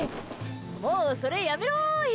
もうそれ、やめろーい！